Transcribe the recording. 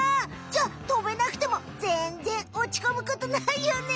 じゃあとべなくてもぜんぜんおちこむことないよね！